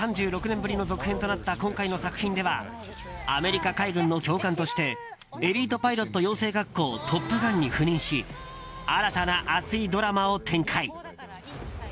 ３６年ぶりの続編となった今回の作品ではアメリカ海軍の教官としてエリートパイロット養成学校トップガンに赴任し新たな熱いドラマを展開。